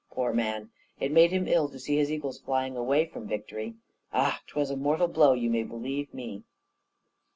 Poor man! it made him ill to see his eagles flying away from victory. Ah! 'twas a mortal blow, you may believe me.